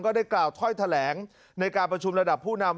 ได้กล่าวถ้อยแถลงในการประชุมระดับผู้นำ